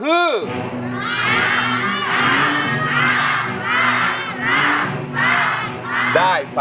เพลงที่๒มาเลยครับ